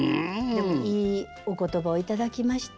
でもいいお言葉を頂きました。